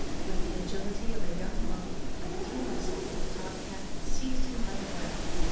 With the agility of a young monkey, I threw myself on the Tom cat and seized him by the back.